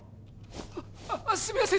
ああすいません